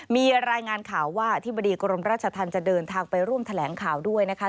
มีรายงานข่าวว่าอธิบดีกรมราชธรรมจะเดินทางไปร่วมแถลงข่าวด้วยนะคะ